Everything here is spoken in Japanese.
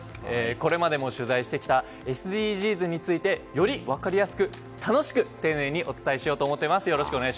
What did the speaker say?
これまでも取材してきたＳＤＧｓについてより分かりやすく楽しく丁寧にお伝えしようと思っています。